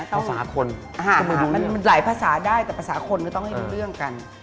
ภาษาคนมันหลายภาษาได้แต่ภาษาคนไม่ต้องให้รู้เรื่องกัน